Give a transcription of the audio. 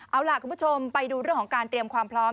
เอาล่ะคุณผู้ชมไปดูเรื่องของการเตรียมความพร้อม